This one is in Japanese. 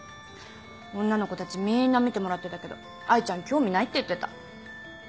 女の子たちみーんな見てもらってたけど愛ちゃん興味ないって言ってた。